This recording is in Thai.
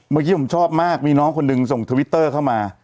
เมื่อกี้ผมชอบมากมีน้องคนหนึ่งส่งทวิตเตอร์เข้ามา